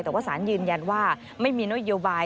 แต่ว่าสารยืนยันว่าไม่มีนโยบาย